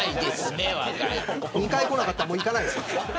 ２回こなかったらもう行かないです。